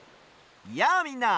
やあみんな！